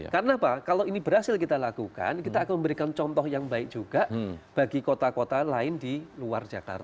karena pak kalau ini berhasil kita lakukan kita akan memberikan contoh yang baik juga bagi kota kota lain di luar jakarta